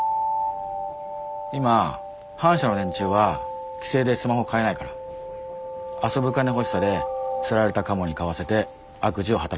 今反社の連中は規制でスマホ買えないから遊ぶ金欲しさで釣られたカモに買わせて悪事を働くの。